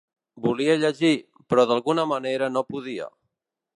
Volia llegir, però d'alguna manera no podia.